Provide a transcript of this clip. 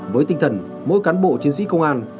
với tinh thần mỗi cán bộ chiến sĩ công an